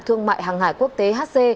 thương mại hàng hải quốc tế hc